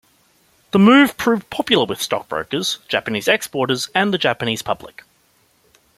The move proved popular with stock brokers, Japanese exporters, and the Japanese public.